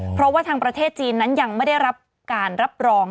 เพราะว่าทางประเทศจีนนั้นยังไม่ได้รับการรับรอง